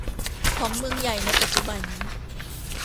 ของเมืองใหญ่ในปัจจุบัน